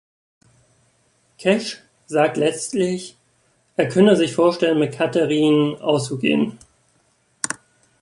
Cash sagt letztlich, er könne sich vorstellen, mit Katherine auszugehen.